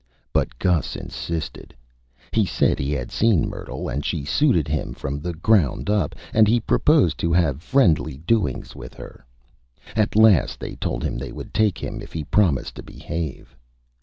But Gus insisted. He said he had seen Myrtle, and she Suited him from the Ground up, and he proposed to have Friendly Doings with her. At last they told him they would take him if he promised to Behave.